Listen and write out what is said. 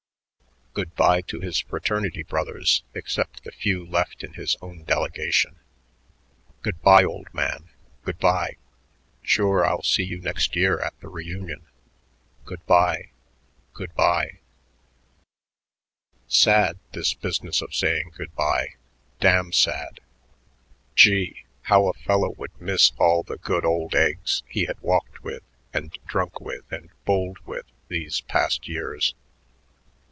Good by to his fraternity brothers except the few left in his own delegation. "Good by, old man, good by.... Sure, I'll see you next year at the reunion." Good by.... Good by.... Sad, this business of saying good by, damn sad. Gee, how a fellow would miss all the good old eggs he had walked with and drunk with and bulled with these past years.